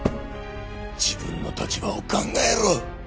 自分の立場を考えろ